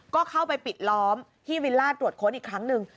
ก็เข้าไปปิดล้อมที่วิลล่าตรวจค้นอีกครั้งหนึ่ง